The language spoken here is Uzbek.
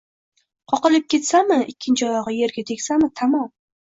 Qoqilib ketsami, ikkinchi oyog‘i yerga tegsami, tamom!